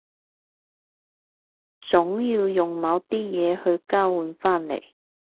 總要用某啲嘢去交換返嚟